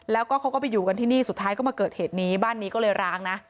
แล้วก็เขาก็ไปอยู่กันที่นี่สุดท้ายก็มาเกิดเหตุนี้บ้านนี้ก็เลยร้างนะ